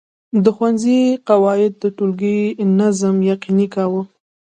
د ښوونځي قواعد د ټولګي نظم یقیني کاوه.